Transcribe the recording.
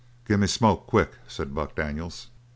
"Gimme smoke quick!" said Buck Daniels.